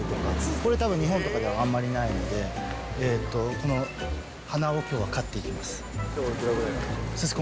これたぶん、日本とかではあんまりないので、この花をきょうは買っていきます。